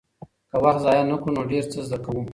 که وخت ضایع نه کړو نو ډېر څه زده کوو.